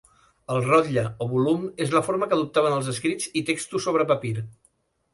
El rotlle o volum és la forma que adoptaven els escrits i textos sobre papir.